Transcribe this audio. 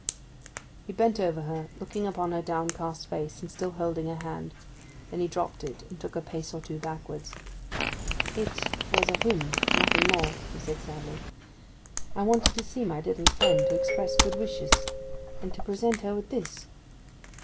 He bent over her, looking upon her downcast face, and still holding her hand; then he dropped it, and took a pace or two backwards. 'It was a whim, nothing more,' he said, sadly. 'I wanted to see my little friend, to express good wishes—and to present her with this.